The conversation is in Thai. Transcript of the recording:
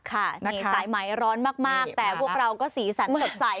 ค่ะนี่สายไหมร้อนมากแต่พวกเราก็สีสันสดใส